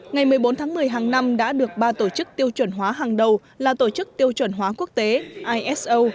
ngày một mươi bốn tháng một mươi hàng năm đã được ba tổ chức tiêu chuẩn hóa hàng đầu là tổ chức tiêu chuẩn hóa quốc tế iso